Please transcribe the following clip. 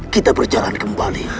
kita berjalan kembali